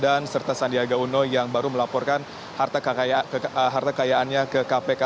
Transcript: dan serta sandiaga uno yang baru melaporkan harta kekayaannya ke kpk